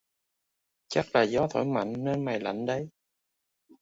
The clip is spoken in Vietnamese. Chắc là gió thổi mạnh nên là mày lạnh đấy